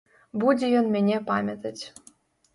Будзе ён мяне памятаць.